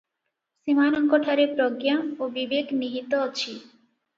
ସେମାନଙ୍କଠାରେ ପ୍ରଜ୍ଞା ଓ ବିବେକ ନିହିତ ଅଛି ।